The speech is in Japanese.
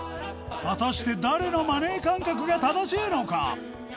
果たして誰のマネー感覚が正しいのか？